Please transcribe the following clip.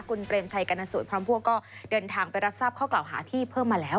กุญเตรียมชัยกรรมนศุลกรรมพวกก็เดินทางไปรับทราบฆ่าหาที่เพิ่มมาแล้ว